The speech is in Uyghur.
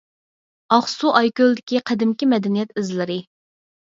ئاقسۇ ئايكۆلدىكى قەدىمكى مەدەنىيەت ئىزلىرى.